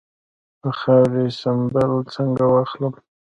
د خاورې سمپل څنګه واخلم؟